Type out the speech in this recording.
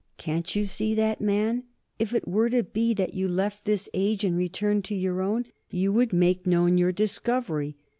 Can't you see that, man? If it were to be that you left this age and returned to your own, you would make known your discovery.